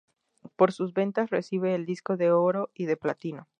Por sus ventas recibe el disco de oro y de platino.